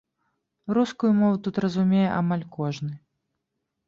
Рускую мову тут разумее амаль кожны.